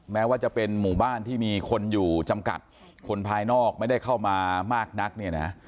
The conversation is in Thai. แม้ว่าจะเป็นหมู่บ้านที่มีคนอยู่จำกัดคนภายนอกไม่ได้เข้ามามากนักเนี่ยนะ